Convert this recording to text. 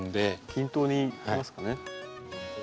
均等にいきますかね。